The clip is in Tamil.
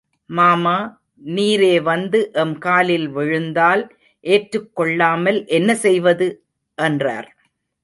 மாமா, நீரே வந்து எம் காலில் விழுந்தால்—ஏற்றுக் கொள்ளாமல் என்ன செய்வது? —என்றார்.